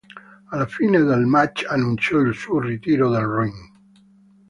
Alla fine del match annunciò il suo ritiro dal ring.